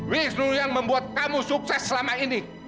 wisnu yang membuat kamu sukses selama ini